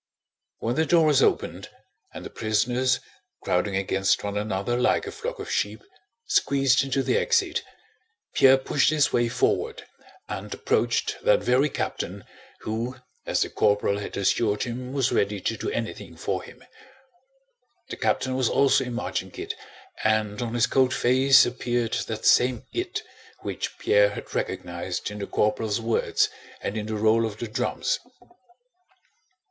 When that door was opened and the prisoners, crowding against one another like a flock of sheep, squeezed into the exit, Pierre pushed his way forward and approached that very captain who as the corporal had assured him was ready to do anything for him. The captain was also in marching kit, and on his cold face appeared that same it which Pierre had recognized in the corporal's words and in the roll of the drums.